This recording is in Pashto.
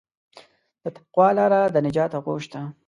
د تقوی لاره د نجات آغوش ده.